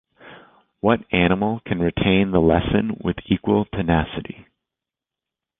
What animal can retain the lesson with equal tenacity?